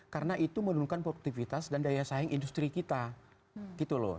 karena itu menurunkan produktivitas dan daya saing industri kita gitu loh